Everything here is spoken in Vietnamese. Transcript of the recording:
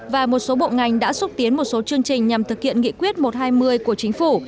và một số bộ ngành đã xúc tiến một số chương trình nhằm thực hiện nghị quyết một trăm hai mươi của chính phủ